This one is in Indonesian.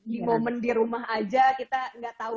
di moment di rumah aja kita gak tau